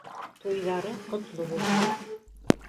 Туйҙары ҡотло булһын